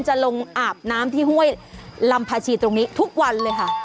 จะลงอาบน้ำที่ห้วยลำพาชีตรงนี้ทุกวันเลยค่ะ